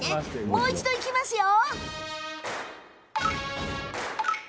もう一度いきますよ。